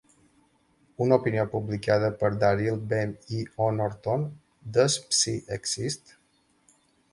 Una opinió publicada per Daryl Bem i Honorton, "Does Psi Exist?"